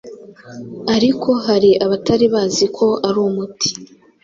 ariko hari abatari bazi ko ari umuti